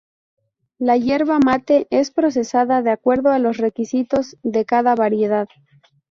La yerba mate es procesada de acuerdo a los requisitos de cada variedad.